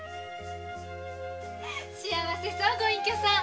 幸せねぇご隠居さん。